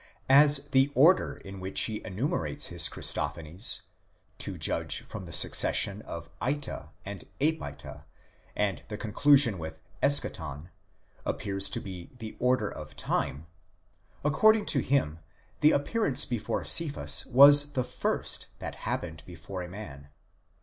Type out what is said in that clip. As the order in which he enumerates his Christo phanies, to judge from the succession of εἶτα and ἔπειτα and the conclusior with ἔσχατον, appears to be the order of time :! according to him the appear ance before Cephas was the first that happened before a man.